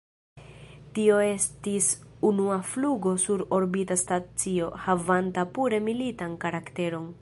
Tio estis unua flugo sur orbita stacio, havanta pure militan karakteron.